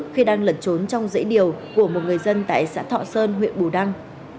khi đang lẩn trốn trong dãy điều của một người dân tại xã thọ sơn huyện bù đăng